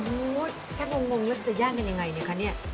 โอ้โหช่างงงแล้วจะย่างกันยังไงเนี่ยคะเนี่ย